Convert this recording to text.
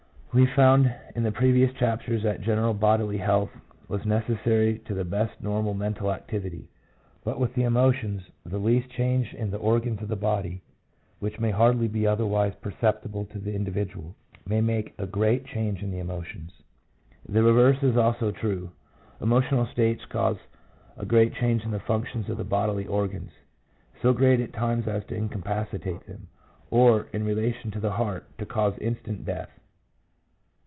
We found in the previous chapters that general bodily health was necessary to the best normal mental activity; but with the emotions, the least change in the organs of the body, which may hardly be other wise perceptible to the individual, may make a great change in the emotions. The reverse is also true: emotional states cause a great change in the functions of the bodily organs; so great at times as to incapaci tate them, or, in relation to the heart, to cause instant death.